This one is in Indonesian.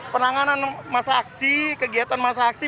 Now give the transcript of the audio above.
penanganan masa aksi kegiatan masa aksi